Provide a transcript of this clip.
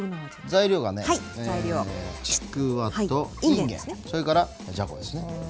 材料がねちくわといんげんそれからじゃこですね。